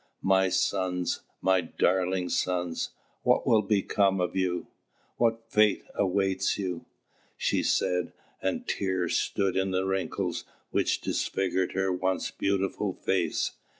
"My sons, my darling sons! what will become of you! what fate awaits you?" she said, and tears stood in the wrinkles which disfigured her once beautiful face.